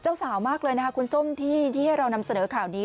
แล้วก็ขอบคุณทีมช่างแต่งหน้าของคุณส้มที่ให้เรานำเสนอข่าวนี้